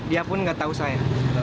dia pun nggak tahu saya